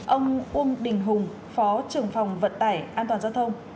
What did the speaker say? ông uông đình hùng phó trưởng phòng vận tải an toàn giao thông